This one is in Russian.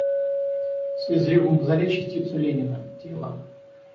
Свезли в мавзолей частицу Ленина — тело.